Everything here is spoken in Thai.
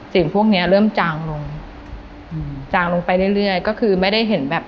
พวกเนี้ยเริ่มจางลงอืมจางลงไปเรื่อยเรื่อยก็คือไม่ได้เห็นแบบ